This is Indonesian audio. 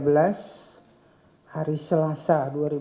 pada hari tiga belas hari selasa dua ribu delapan belas